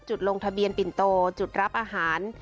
ลงทะเบียนปิ่นโตจุดรับอาหาร